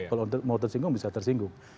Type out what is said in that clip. kalau mau tersinggung bisa tersinggung